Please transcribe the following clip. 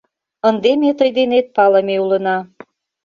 Ынде ме тый денет палыме улына.